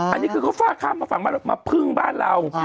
อันนี้คือเขาฝ้าข้ามมาฝั่งมาพึ่งบ้านเรา